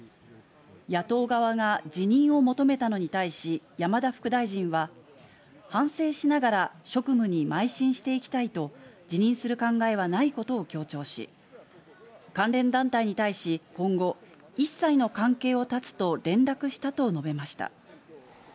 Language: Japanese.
野党側が辞任を求めたのに対し、山田副大臣は、反省しながら職務にまい進していきたいと、辞任する考えはないことを強調し、関連団体に対し、今後、一切の関係を断つと連絡したと述べました。